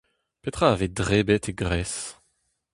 Petra a vez debret e Gres ?